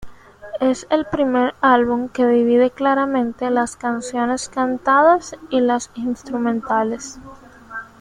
Es el primer álbum que divide claramente las canciones cantadas y las instrumentales.